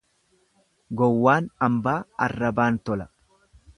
Gowwaan ambaa arrabaan tola.